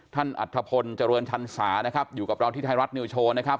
ท่านอัทธพลจรวนธรรมศานะครับอยู่กับเราที่ไทยรัฐนิวโชว์นะครับ